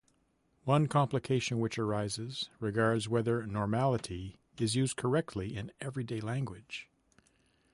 One complication which arises regards whether 'normality' is used correctly in everyday language.